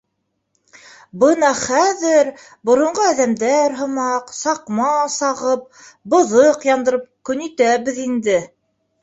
— Бына хәҙер, боронғо әҙәмдәр һымаҡ, саҡма сағып, быҙыҡ яндырып көн итәбеҙ инде.